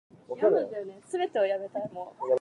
Be quiet.